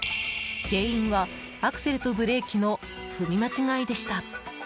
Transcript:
原因は、アクセルとブレーキの踏み間違いでした。